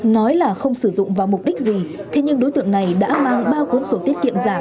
nói là không sử dụng vào mục đích gì thế nhưng đối tượng này đã mang bao cuốn sổ tiết kiệm